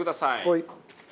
はい。